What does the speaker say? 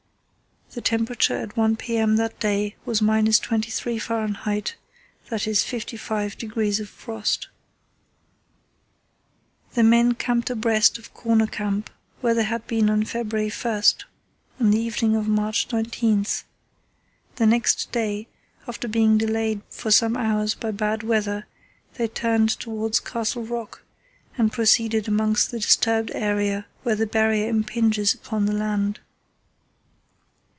The temperature at 1 p.m. that day was –23° Fahr., i.e. 55° of frost. The men camped abreast of "Corner Camp," where they had been on February 1, on the evening of March 19. The next day, after being delayed for some hours by bad weather, they turned towards Castle Rock and proceeded across the disturbed area where the Barrier impinges upon the land.